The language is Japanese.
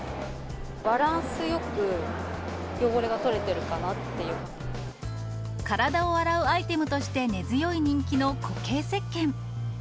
バランスよく、体を洗うアイテムとして根強い人気の固形せっけん。